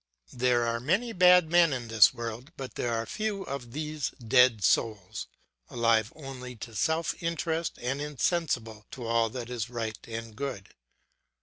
There are many bad men in this world, but there are few of these dead souls, alive only to self interest, and insensible to all that is right and good.